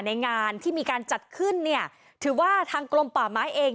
ในงานที่มีการจัดขึ้นเนี่ยถือว่าทางกรมป่าไม้เอง